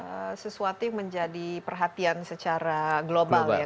ini sesuatu yang menjadi perhatian secara global ya